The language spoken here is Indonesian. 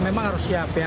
memang harus siap ya